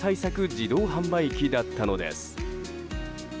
自動販売機だったのです。